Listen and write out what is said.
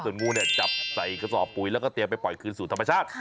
ส่วนงูเนี่ยจับใส่กระสอบปุ๋ยแล้วก็เตรียมไปปล่อยคืนสู่ธรรมชาติ